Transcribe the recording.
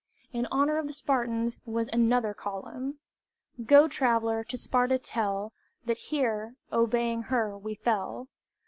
In honor of the Spartans was another column "Go, traveler, to Sparta tell That here, obeying her, we fell."